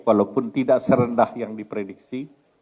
walaupun tidak serendah yang diprediksi